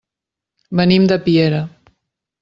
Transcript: Venim de Piera.